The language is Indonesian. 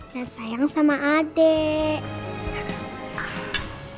dan sayang sama adik